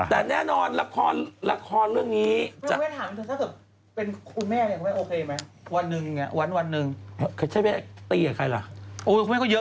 แต่แน่นอนละครเรื่องนี้